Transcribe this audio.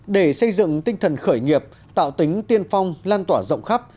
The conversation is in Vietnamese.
để xây dựng tinh thần khởi nghiệp tạo tính tiên phong lan tỏa rộng khắp